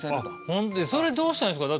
ほんでそれどうしたらいいんですか？